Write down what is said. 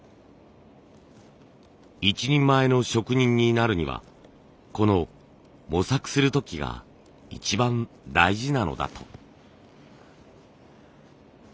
一人前の職人になるにはこの模索する時が一番大事なのだと。